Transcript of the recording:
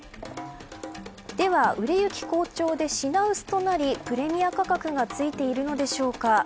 では、売れ行き好調で品薄となりプレミア価格がついているのでしょうか。